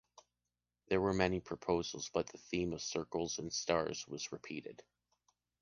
There were many proposals, but the theme of circles and stars was repeated.